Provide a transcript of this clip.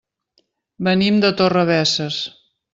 Venim de Torrebesses.